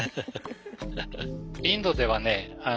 インドではね